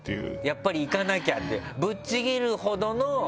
やっぱり行かなきゃって。